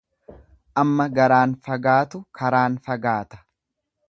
Amma garaan fagaatu karaan fagaata.